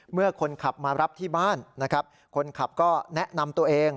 เมื่อคนขับมารับที่บ้านนะครับคนขับก็แนะนำตัวเอง